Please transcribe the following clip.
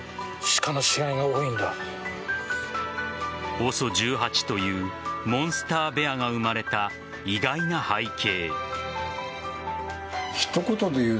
ＯＳＯ１８というモンスターベアが生まれた意外な背景。